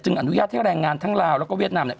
อนุญาตให้แรงงานทั้งลาวแล้วก็เวียดนามเนี่ย